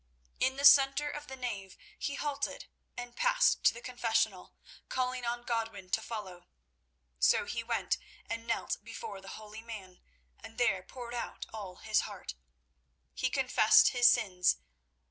In the centre of the nave he halted and passed to the confessional, calling on Godwin to follow. So he went and knelt before the holy man, and there poured out all his heart. He confessed his sins.